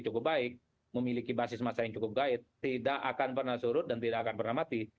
cukup baik memiliki basis masa yang cukup guide tidak akan pernah surut dan tidak akan pernah mati